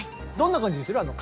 どんな感じする？